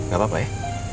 gak apa apa ya